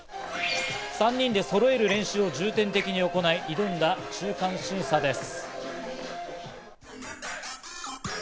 ３人でそろえる練習を重点的に行い、挑んだ中間審査です。